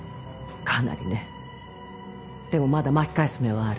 かなりねでもまだ巻き返す目はある